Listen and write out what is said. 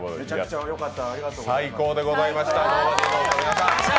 最高でございました。